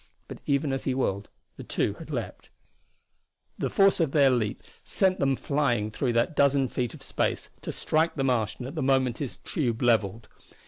But even as he whirled the two had leaped. The force of their leap sent them flying through that dozen feet of space to strike the Martian at the moment his tube levelled.